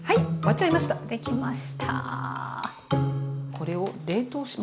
これを冷凍します。